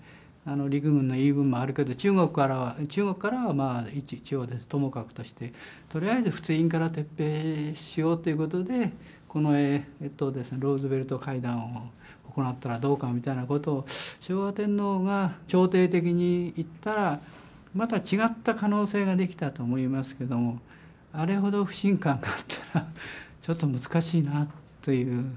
陸軍の言い分もあるけど中国からはまあともかくとしてとりあえず仏印から撤兵しようっていうことで近衛とルーズベルト会談を行ったらどうかみたいなことを昭和天皇が調停的に言ったらまた違った可能性ができたと思いますけどもあれほど不信感があったらちょっと難しいなというふうに思いますよね。